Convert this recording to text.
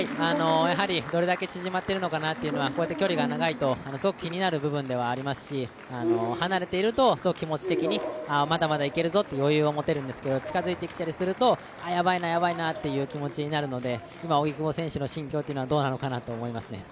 どれだけ縮まってるのかなというのはこうやって距離が長いとすごく気になる部分ではありますし、離れていると気持ち的にまだまだいけるぞという余裕を持てるんですけど、近づいてきたりすると、やばいな、やばいなという気持ちになるので今荻久保選手の心境はどうなのかなと思いますね。